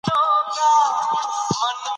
د مولانا بلخي افکار په ناول کې منعکس شوي دي.